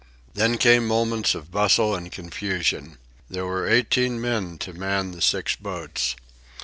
Then came moments of bustle and confusion. There were eighteen men to man the six boats.